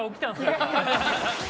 今。